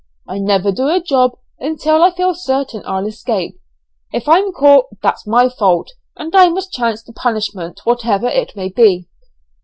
I never do a job until I feel certain I'll escape. If I'm caught that's my fault, and I must chance the punishment, whatever it may be.